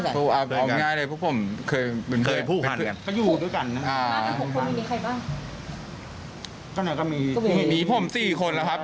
ปบ๊วยธรี่ว์ก็มีมีผมสี่คนแล้วครับ